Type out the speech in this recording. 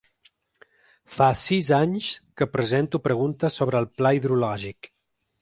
Fa sis anys que presento preguntes sobre el pla hidrològic.